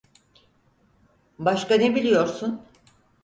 Başka ne biliyorsun?